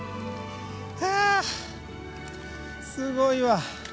はあすごいわ。